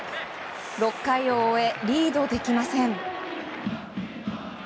６回を終え、リードできません。